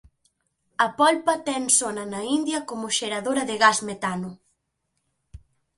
A polpa ten sona na India coma xeradora de gas metano.